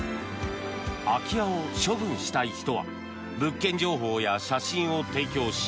空き家を処分したい人は物件情報や写真を提供し